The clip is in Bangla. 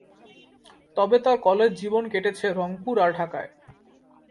তবে তার কলেজ জীবন কেটেছে রংপুর আর ঢাকায়।